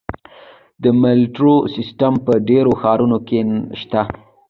د میټرو سیستم په ډیرو ښارونو کې شته.